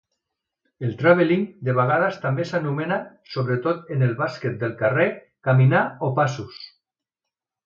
El "traveling" de vegades també s'anomena, sobretot en el bàsquet del carrer, "caminar" o "passos.